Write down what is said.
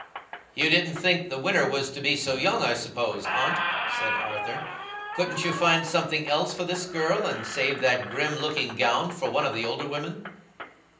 "You didn't think the winner was to be so young, I suppose, Aunt?" said Arthur. "Couldn't you find something else for this girl, and save that grim looking gown for one of the older women?"